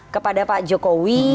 kepada pak jokowi